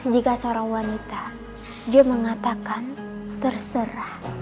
jika seorang wanita dia mengatakan terserah